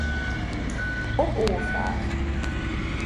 Op oanfraach.